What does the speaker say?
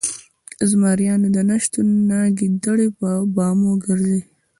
ـ زمريانو د نشتون نه ګيدړې په بامو ګرځي